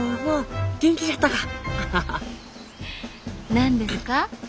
何ですか？